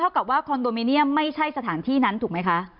กับว่าคอนโดมิเนียมไม่ใช่สถานที่นั้นถูกไหมคะ